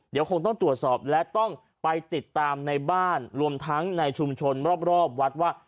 เดี๋ยวคงต้องตรวจสอบและต้องไปติดตามในบ้านรวมทั้งในชุมชนรอบวัดว่า